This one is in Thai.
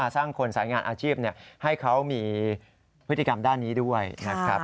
สร้างคนสายงานอาชีพให้เขามีพฤติกรรมด้านนี้ด้วยนะครับ